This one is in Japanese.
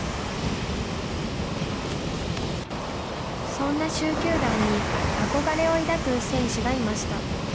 そんな蹴球団に憧れを抱く選手がいました。